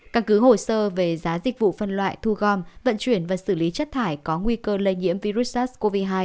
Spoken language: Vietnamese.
căn cứ hồ sơ về giá dịch vụ phân loại thu gom vận chuyển và xử lý chất thải có nguy cơ lây nhiễm virus sars cov hai